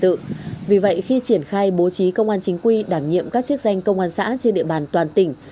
trước đây con tùm đã điều động bốn mươi đồng chí công an chính quy về đảm nhiệm các chiếc danh công an xã trên địa bàn toàn tỉnh